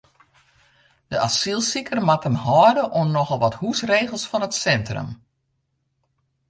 De asylsiker moat him hâlde oan nochal wat húsregels fan it sintrum.